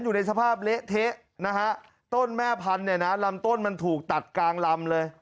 อยู่ในสภาพเละเทะนะฮะต้นแม่พันธุ์เนี่ยนะลำต้นมันถูกตัดกลางลำเลย